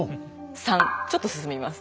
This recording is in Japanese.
「三」ちょっと進みます。